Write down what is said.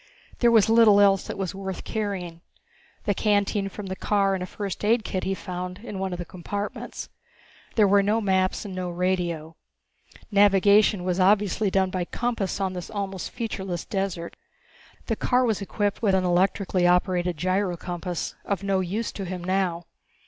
There was little else that was worth carrying the canteen from the car and a first aid kit he found in one of the compartments. There were no maps and no radio. Navigation was obviously done by compass on this almost featureless desert. The car was equipped with an electrically operated gyrocompass, of no use to him now.